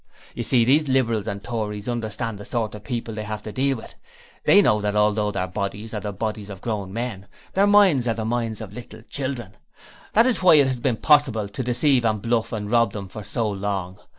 You see these Liberals and Tories understand the sort of people they have to deal with; they know that although their bodies are the bodies of grown men, their minds are the minds of little children. That is why it has been possible to deceive and bluff and rob them for so long.